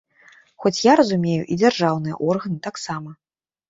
Хоць я разумею і дзяржаўныя органы таксама.